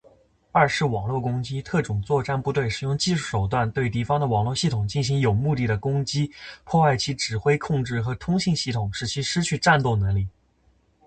二是网络攻击。特种作战部队使用技术手段对敌方的网络系统进行有目的的攻击，破坏其指挥、控制和通信系统，使其失去战斗能力。